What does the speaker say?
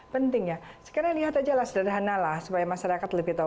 penting ya sekarang lihat aja lah sederhanalah supaya masyarakat lebih tahu